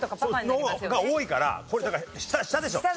の方が多いからこれだから下下でしょう。